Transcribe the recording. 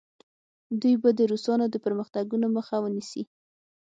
دوی به د روسانو د پرمختګونو مخه ونیسي.